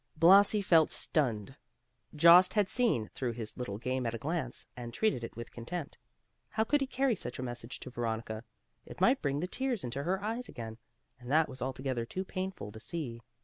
Blasi felt stunned. Jost had seen through his little game at a glance, and treated it with contempt. How could he carry such a message to Veronica? It might bring the tears into her eyes again, and that was altogether too painful to see.